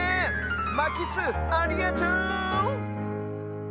まきすありがとう！